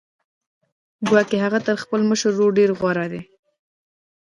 ګواکې هغه تر خپل مشر ورور ډېر غوره دی